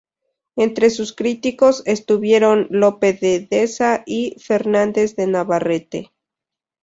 Entre sus críticos estuvieron Lope de Deza y Fernández de Navarrete.